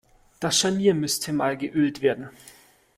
Das Scharnier müsste mal geölt werden.